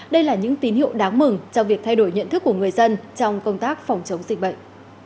đây là những tín hiệu đáng mừng trong việc thay đổi nhận thức của người dân trong công tác phòng chống dịch bệnh